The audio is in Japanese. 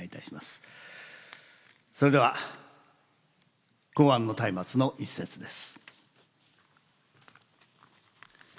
それでは「洪庵のたいまつ」の一節です。